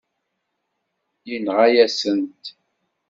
Yenɣa-yasen-t.